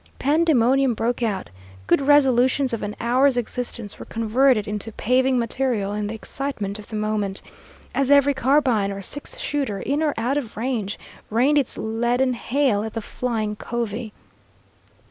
Pandemonium broke out. Good resolutions of an hour's existence were converted into paving material in the excitement of the moment, as every carbine or six shooter in or out of range rained its leaden hail at the flying covey.